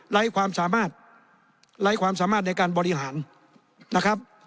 ไร้ความสามารถไร้ความสามารถในการบริหารนะครับ